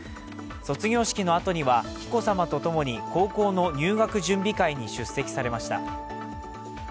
卒業式のあとには紀子さまとともに高校の入学準備会に出席されました。